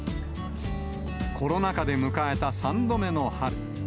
コロナ禍で迎えた３度目の春。